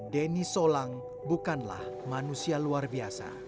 denny solang bukanlah manusia luar biasa